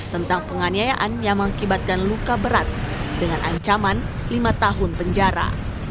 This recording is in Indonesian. tentang penganiayaan yang mengakibatkan luka berat dengan ancaman lima tahun penjara